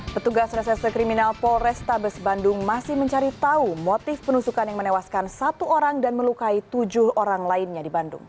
petugas reserse kriminal polrestabes bandung masih mencari tahu motif penusukan yang menewaskan satu orang dan melukai tujuh orang lainnya di bandung